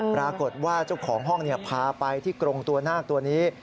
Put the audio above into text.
ปรากฏว่าเจ้าของห้องพาไปที่กรงตัวนาคตัวนี้